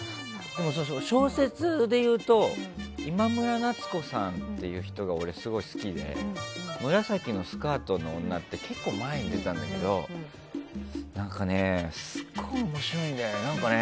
小説でいうと今村夏子さんという人が俺、すごい好きで「むらさきのスカートの女」って結構前に出たんだけどすごい面白いんだよね。